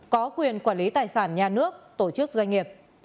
có quyền quản lý tài sản nhà nước tổ chức doanh nghiệp